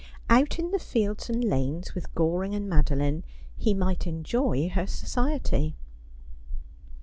Out in the fields and lanes, with Goring and Madoline, he might enjoy her society.